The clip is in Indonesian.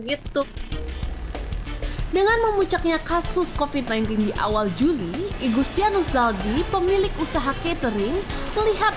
gitu dengan memucaknya kasus kopi sembilan belas di awal juli igustianus saldi pemilik usaha catering melihat